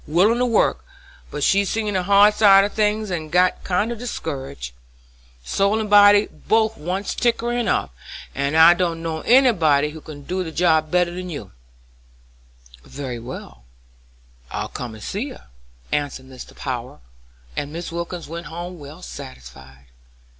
Willin' to work, but she's seen the hard side of things and got kind of discouraged. Soul and body both wants tinkerin' up, and I don't know anybody who can do the job better 'n you can." "Very well, I'll come and see her," answered Mr. Power, and Mrs. Wilkins went home well satisfied.